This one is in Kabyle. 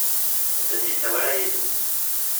Ur tent-yettawi ara yid-s.